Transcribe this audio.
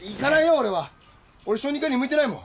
俺は小児科に向いてないもん